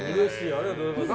ありがとうございます。